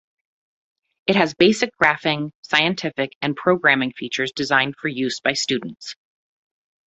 It has basic graphing, scientific and programming features designed for use by students.